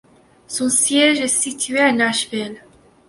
Son siège est situé à Nashville.